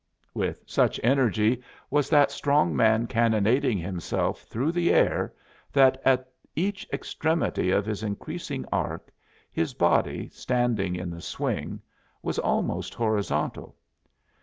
With such energy was that strong man cannonading himself through the air that at each extremity of his increasing arc his body, standing in the swing, was almost horizontal.